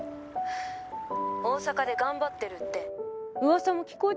大阪で頑張ってるって噂も聞こえてたよ。